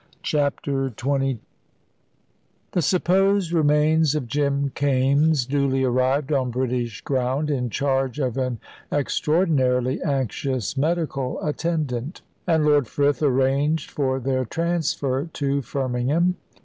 CHAPTER XX The supposed remains of Jim Kaimes duly arrived on British ground in charge of an extraordinarily anxious medical attendant, and Lord Frith arranged for their transfer to Firmingham.